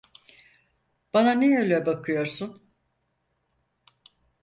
Bana niye öyle bakıyorsun?